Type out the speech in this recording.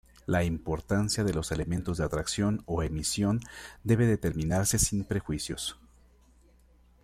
La importancia de los elementos de atracción o emisión debe determinarse sin prejuicios.